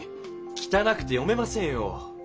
きたなくて読めませんよ。